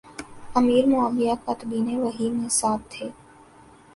امیر Muawiya کاتبین وحی میں سے تھے